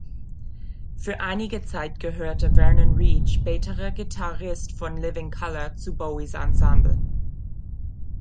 Für einige Zeit gehörte Vernon Reid, späterer Gitarrist von Living Colour, zu Bowies Ensemble.